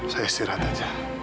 saya istirahat saja